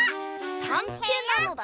たんていなのだ。